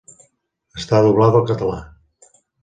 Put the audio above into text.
Està doblada al català.